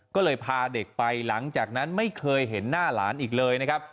ก็เลยพาเด็กไปหลังจากนั้นไม่เคยเห็นหน้าหลานอีกเลยนะครับ